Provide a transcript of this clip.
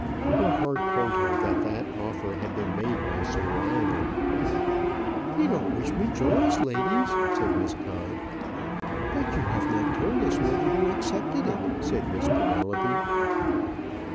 Her heart told her that that offer had been made by Sir Lionel. "You don't wish me joy, ladies," said Miss Todd. "But you have not told us whether you accepted it," said Miss Penelope.